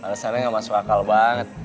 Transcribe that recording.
alasannya nggak masuk akal banget